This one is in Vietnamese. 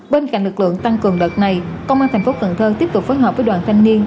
bên cạnh lực lượng tăng cường đợt này công an thành phố cần thơ tiếp tục phối hợp với đoàn thanh niên